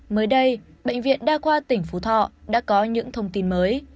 mới đây bệnh viện đa khoa tỉnh phú thọ đã có những thông tin mới